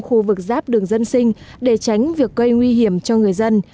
khu vực giáp đường dân sinh để tránh việc gây nguy hiểm cho người dân